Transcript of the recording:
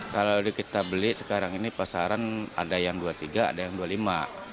kalau kita beli sekarang ini pasaran ada yang rp dua puluh tiga ada yang rp dua puluh lima